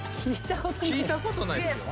聞いたことないっすよ。